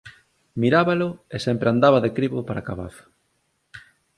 Mirábalo e sempre andaba de cribo para cabazo